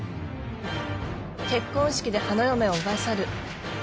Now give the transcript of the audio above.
結婚式で花嫁を奪い去る。